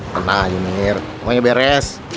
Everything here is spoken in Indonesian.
kenal aja menir pokoknya beres